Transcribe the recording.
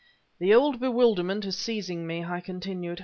"The old bewilderment is seizing me," I continued.